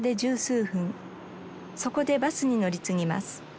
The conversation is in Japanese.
そこでバスに乗り継ぎます。